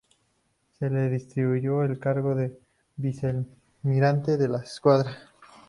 Se le restituyó el cargo de vicealmirante de la escuadra.